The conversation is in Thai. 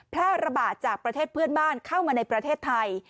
แพร่ระบาดจากประเทศเพื่อนบ้านเข้ามาในประเทศไทย